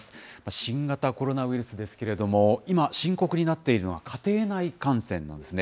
新型コロナウイルスですけれども、今、深刻になっているのは家庭内感染なんですね。